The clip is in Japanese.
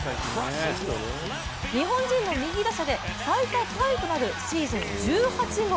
日本人の右打者で最多タイとなるシーズン１８号。